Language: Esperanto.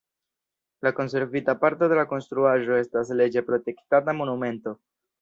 La konservita parto de la konstruaĵo estas leĝe protektata monumento.